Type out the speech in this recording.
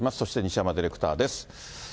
そして西山ディレクターです。